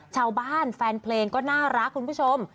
ชาวบ้านแฟนเพลงก็น่ารักคุณผู้ชม